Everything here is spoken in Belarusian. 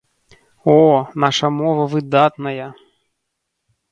О, наша мова выдатная!